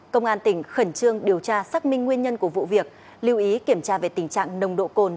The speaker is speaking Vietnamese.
công an tỉnh khẩn trương điều tra xác minh nguyên nhân của vụ việc lưu ý kiểm tra về tình trạng nồng độ cồn